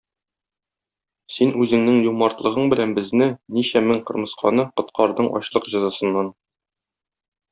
Син үзеңнең юмартлыгың белән безне, ничә мең кырмысканы, коткардың ачлык җәзасыннан.